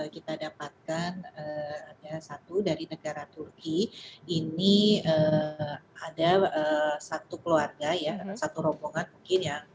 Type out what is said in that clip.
kita dapatkan ada satu dari negara turki ini ada satu keluarga ya satu rombongan mungkin yang